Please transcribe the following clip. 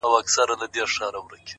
• دا ستا خبري مي د ژوند سرمايه؛